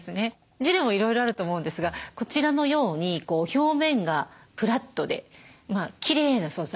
ジレもいろいろあると思うんですがこちらのように表面がフラットできれいな素材ですね。